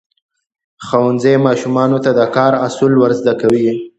ښوونځی ماشومانو ته د کار اصول ورزده کوي.